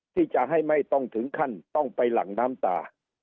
ที่จะให้ไม่ต้องถึงขั้นต้องไปหลั่งน้ำตา